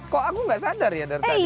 kok aku nggak sadar ya dari tadi